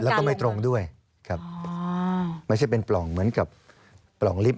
แล้วก็ไม่ตรงด้วยครับไม่ใช่เป็นปล่องเหมือนกับปล่องลิฟต